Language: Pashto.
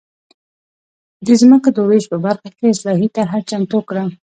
د ځمکو د وېش په برخه کې اصلاحي طرحه چمتو کړه.